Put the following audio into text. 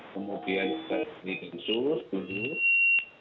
kemudian dari binsus binsus